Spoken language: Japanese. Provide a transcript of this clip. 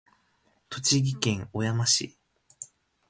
栃木県小山市